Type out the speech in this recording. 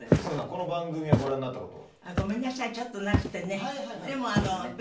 この番組はご覧になったことは？でも。